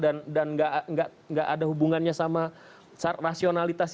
sangat emosional dan gak ada hubungannya sama rasionalisme